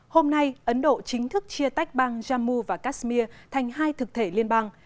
hôm nay ấn độ chính thức chia tách băng jammu và kashmir thành hai thực thể liên bang